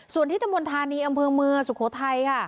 ส่วนที่ตำบลธานีอำเภอเมืองสุโขทัยค่ะ